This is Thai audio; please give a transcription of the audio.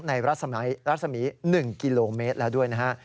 รัศมี๑กิโลเมตรแล้วด้วยนะฮะ